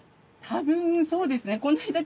多分そうですね。